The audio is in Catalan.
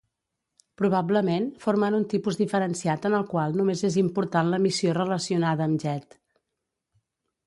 Probablement, formen un tipus diferenciat en el qual només és important l'emissió relacionada amb jet.